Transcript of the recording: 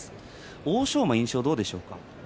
欧勝馬の印象はどうでしょうか？